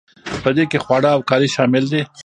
په دې کې خواړه او کالي شامل دي.